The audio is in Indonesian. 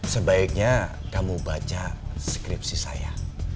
sebaiknya kamu baca skripsi saya